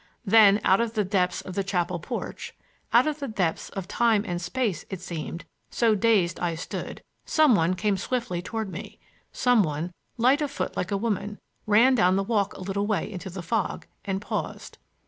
Then out of the depths of the chapel porch—out of the depths of time and space, it seemed, so dazed I stood —some one came swiftly toward me, some one, light of foot like a woman, ran down the walk a little way into the fog and paused.